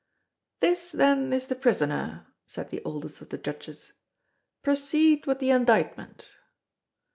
"This then is the prisoner," said the oldest of the Judges; "proceed with the indictment!"